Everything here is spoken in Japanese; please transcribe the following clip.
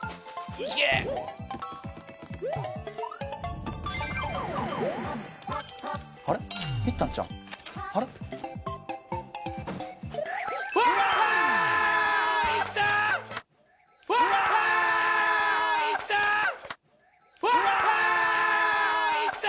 いった！！